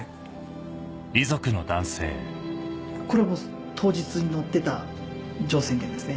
これは当日に乗ってた乗船券ですね。